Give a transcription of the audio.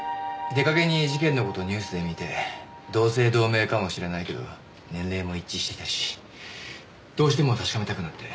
出がけに事件の事をニュースで見て同姓同名かもしれないけど年齢も一致していたしどうしても確かめたくなって。